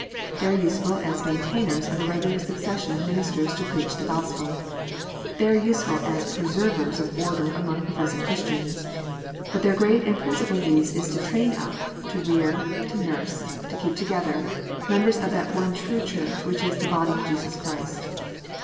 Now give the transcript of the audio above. They are useful as maintainers of a regular succession of ministers to preach the Gospel. They are useful as preservers of order among professing Christians. But their great and principal use is to train up, to rear, to nurse, to keep together, members of that one true Church which is the body of Jesus Christ.